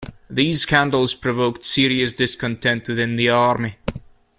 These scandals provoked serious discontent within the army.